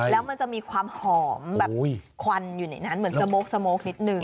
แล้วมันจะมีความหอมแบบควันอยู่ในนั้นเหมือนสโมกสโมคนิดนึง